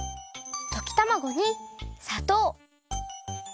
溶きたまごにさとう。